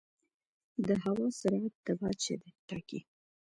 د هوا سرعت د باد شدت ټاکي.